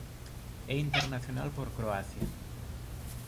É internacional por Croacia.